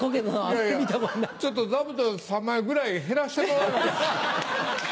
いやいやちょっと座布団３枚ぐらい減らしてもらえます？